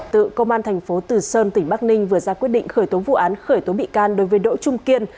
tự công an thành phố từ sơn tỉnh bắc ninh vừa ra quyết định khởi tố vụ án khởi tố bị can đối với đỗ trung kiên